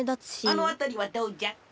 あのあたりはどうじゃ？